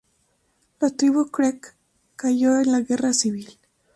La tribu Creek cayó en la Guerra Civil.